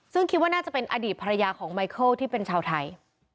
ซึ่งคิดว่าน่าจะเป็นอดีตภรรยาของไมเคิลที่เป็นชาวไทย